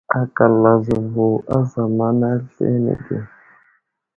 Akal azəvo a zamana aslane ge.